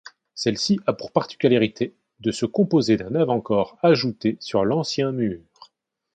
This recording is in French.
Celle-ci a pour particularité de se composer d'un avant-corps ajouté sur l'ancien mur.